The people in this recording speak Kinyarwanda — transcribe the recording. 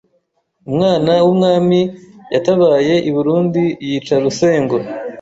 umwana w’umwami yatabaye i Burundi yica Rusengo